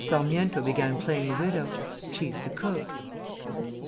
Sparmiento began playing the widow; she's the cook."